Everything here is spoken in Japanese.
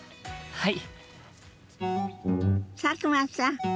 はい。